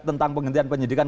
tentang penghentian penyidikan